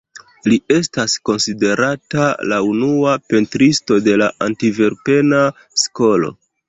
Li estas konsiderata la unua pentristo de la Antverpena Skolo.